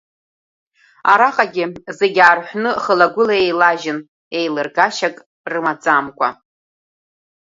Араҟагьы зегьы аарҳәны, хылагәыла еилажьын, еилыргашьак рымаӡамкәа.